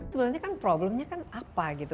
sebenarnya kan problemnya kan apa gitu